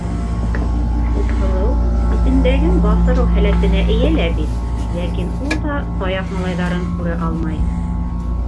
Күкһылыу эсендәген баҫырыу һәләтенә эйә лә бит, ләкин ул да Саяф малайҙарын күрә алмай...